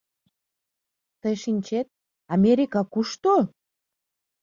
Тый шинчет: Америка кушто?